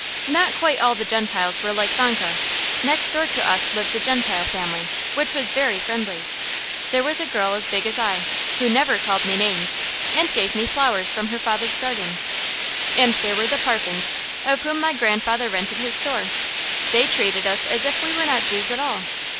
Not quite all the Gentiles were like Vanka. Next door to us lived a Gentile family which was very friendly. There was a girl as big as I, who never called me names, and gave me flowers from her father's garden. And there were the Parphens, of whom my grandfather rented his store. They treated us as if we were not Jews at all.